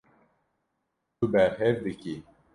Tu berhev dikî.